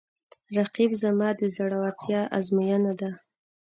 رقیب زما د زړورتیا آزموینه ده